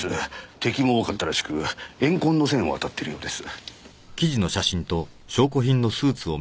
敵も多かったらしく怨恨の線を当たってるようです。